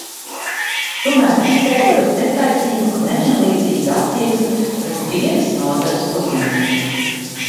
Tomēr izveidojas netaisnīga un nevienlīdzīga attieksme pret vienas nozares uzņēmējiem.